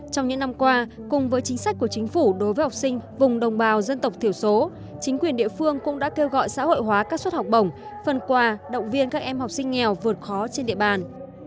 trong những năm qua cùng với chính sách của chính phủ đối với học sinh vùng đồng bào dân tộc thiểu số chính quyền địa phương cũng đã kêu gọi xã hội hóa các suất học bổng phần quà động viên các em học sinh nghèo vượt khó trên địa bàn